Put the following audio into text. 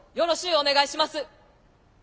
お願いします。